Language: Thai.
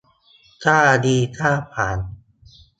ถ้าวีซ่าผ่าน